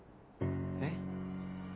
えっ？